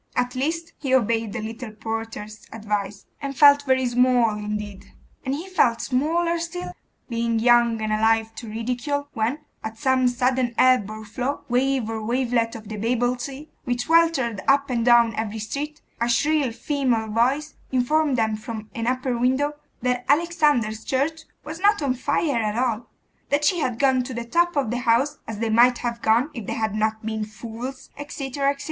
At least, he obeyed the little porter's advice, and 'felt very small indeed.' And he felt smaller still, being young and alive to ridicule, when, at some sudden ebb or flow, wave or wavelet of the Babel sea, which weltered up and down every street, a shrill female voice informed them from an upper window, that Alexander's church was not on fire at all; that she had gone to the top of the house, as they might have gone, if they had not been fools, etc. etc.